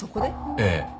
ええ。